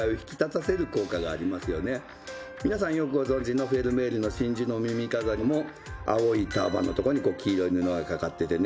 皆さんよくご存じのフェルメールの「真珠の耳飾り」も青いターバンのとこに黄色い布が掛かっててね